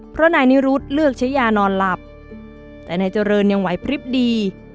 เพราะนายนิรุธเลือกใช้ยานอนหลับแต่นายเจริญยังไหวพลิบดี